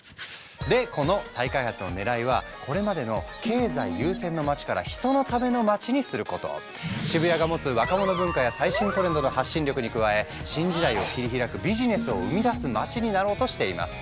でこの再開発のねらいはこれまでの渋谷が持つ若者文化や最新トレンドの発信力に加え新時代を切り開くビジネスを生み出す街になろうとしています。